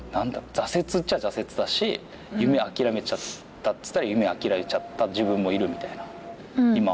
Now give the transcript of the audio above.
挫折っちゃ挫折だし夢諦めちゃったっつったら夢諦めちゃった自分もいるみたいな。